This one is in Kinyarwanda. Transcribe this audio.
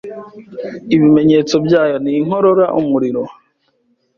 Ibimenyetso byayo ni inkorora, umuriro,